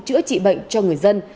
chữa trị bệnh cho người dân